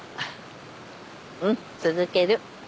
うん続ける。